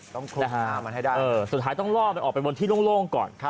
ฮามันให้ได้สุดท้ายต้องล่อมันออกไปบนที่โล่งก่อน